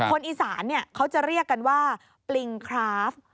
คนอีสานเขาจะเรียกกันว่าปริงคราฟ